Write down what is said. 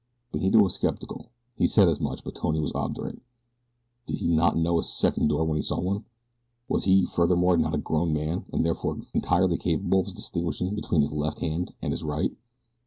Benito was skeptical. He said as much; but Tony was obdurate. Did he not know a second door when he saw one? Was he, furthermore, not a grown man and therefore entirely capable of distinguishing between his left hand and his right?